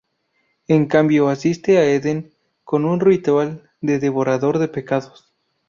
En cambio, asiste a Eden con un ritual de devorador de pecados.